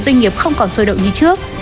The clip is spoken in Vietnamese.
doanh nghiệp không còn sôi động như trước